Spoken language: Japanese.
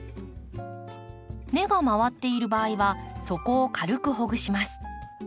根が回っている場合は底を軽くほぐします。